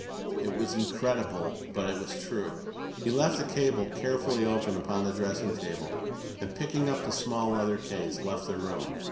It was incredible but it was true. He left the cable carefully open upon the dressing table, and, picking up the small leather case, left the room.